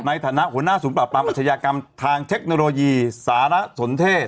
ในฐานะหัวหน้าศูนย์ปราบปรามอาชญากรรมทางเทคโนโลยีสารสนเทศ